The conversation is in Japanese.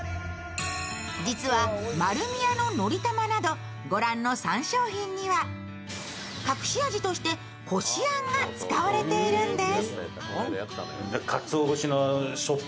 実は、丸美屋ののりたまなど御覧の３商品には隠し味としてこしあんが使われているんです。